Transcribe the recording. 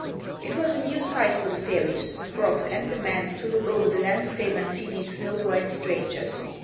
It was a new sight for the fairies, the frogs and the men, to look over the landscape and see these snow white strangers.